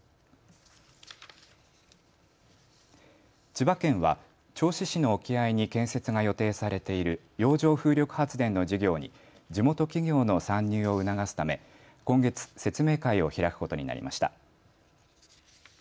千葉県は、銚子市の沖合に建設が予定されている洋上風力発電の事業に地元企業の参入を促すため今月、説明会を行うことになりました。